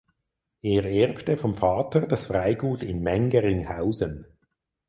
Er erbte vom Vater das Freigut in Mengeringhausen.